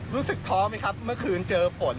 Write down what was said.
รู้สึกท้อไหมครับเมื่อคืนเจอฝน